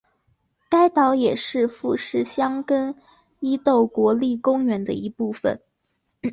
该岛也是富士箱根伊豆国立公园的一部分。